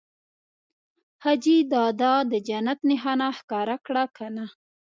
حاجي دادا د جنت نښانه ښکاره کړه که نه؟